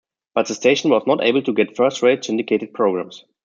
But the station was not able to get first-rate syndicated programs.